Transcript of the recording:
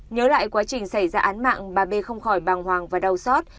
nhớ lại quá trình xảy ra án mạng bà p không khỏi bằng hoàng và đau sót